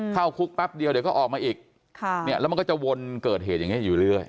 เข้าคุกแป๊บเดียวเดี๋ยวก็ออกมาอีกแล้วมันก็จะวนเกิดเหตุอย่างนี้อยู่เรื่อย